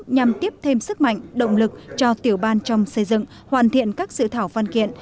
nhằm tiếp thêm sức mạnh động lực cho tiểu ban trong xây dựng hoàn thiện các sự thảo văn kiện